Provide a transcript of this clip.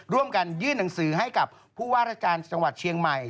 ร่วมกันยื่นหนังสือให้กับผู้ว่าราชการจังหวัดเชียงใหม่